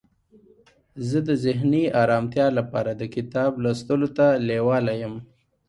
زه د ذهني آرامتیا لپاره د کتاب لوستلو ته لیواله یم.